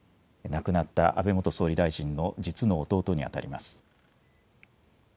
亡くなった安倍元総理大臣の実の弟に当たります。